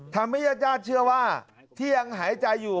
ทำให้เจ้าชาติเชื่อว่าที่ยังหายใจอยู่